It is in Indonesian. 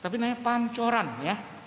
tapi namanya pancoran ya